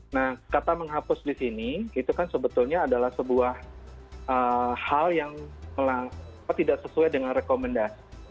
nah kata menghapus di sini itu kan sebetulnya adalah sebuah hal yang tidak sesuai dengan rekomendasi